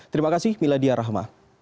terima kasih mila diarahma